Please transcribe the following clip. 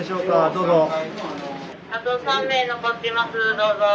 どうぞ。